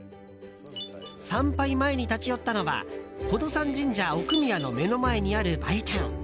参拝前に立ち寄ったのは寶登山神社奥宮の目の前にある売店。